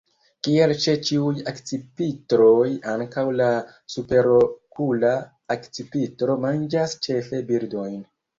Kiel ĉe ĉiuj akcipitroj, ankaŭ la Superokula akcipitro manĝas ĉefe birdojn.